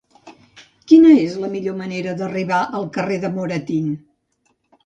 Quina és la millor manera d'arribar al carrer de Moratín?